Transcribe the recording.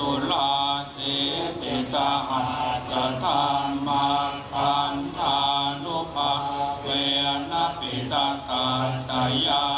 รูปที่เจ็ดคุณพี่สิทธิ์คุณนวรัตวันนวิทยาภา